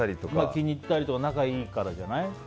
気に入ったりとか仲いいからじゃない。